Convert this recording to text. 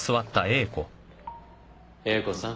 英子さん。